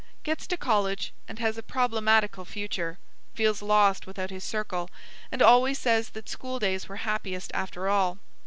Gets to college and has a problematical future. Feels lost without his circle, and always says that school days were happiest, after all.